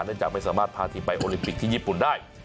จากไม่สามารถพาทีมไปโอลิมปิกที่ญี่ปุ่นได้